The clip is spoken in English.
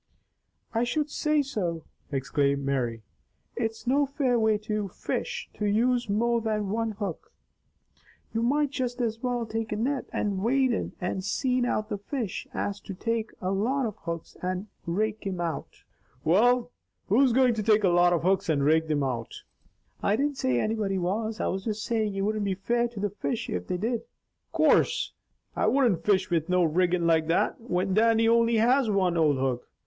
"I should say so!" exclaimed Mary. "It's no fair way to fish, to use more than one hook. You might just as well take a net and wade in and seine out the fish as to take a lot of hooks and rake thim out." "Well, who's going to take a lot of hooks and rake thim out?" "I didn't say anybody was. I was just saying it wouldn't be fair to the fish if they did." "Course I wouldn't fish with no riggin' like that, when Dannie only has one old hook.